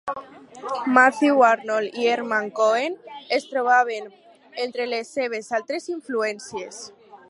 Matthew Arnold i Hermann Cohen es trobaven entre les seves altres influències.